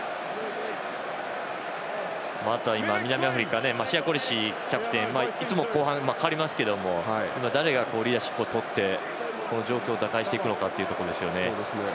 あとは南アフリカシヤ・コリシキャプテンいつも後半に代わりますけど誰がリーダーシップを取って状況を打開するかですね。